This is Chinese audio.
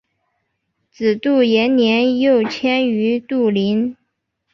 子杜延年又迁于杜陵。